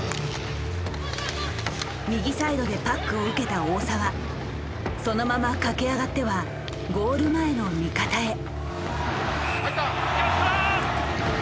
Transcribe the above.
右サイドでパックを受けた大澤そのまま駆け上がってはゴール前の味方へ。